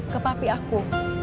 ke papi aku